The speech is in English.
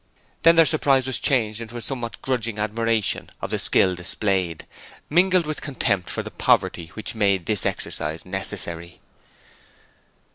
Then their surprise was changed into a somewhat grudging admiration of the skill displayed, mingled with contempt for the poverty which made its exercise necessary.